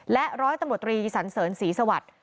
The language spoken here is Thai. และร้อยตำรวจตรีสันเสริญศรีสวัสดิ์